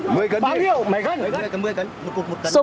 báo hiệu mày gắt mày gắt một mươi cấn một cấn